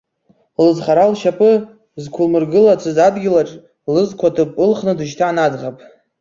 Лызхара лшьапы зқәылмыргылацыз адгьылаҿ лызқәаҭыԥ ылхны дышьҭан аӡӷаб.